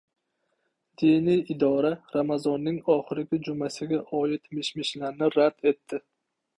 Diniy idora Ramazonning oxirgi jumasiga oid mish-mishlarni rad etdi